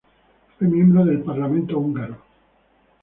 Fue miembro del Parlamento húngaro.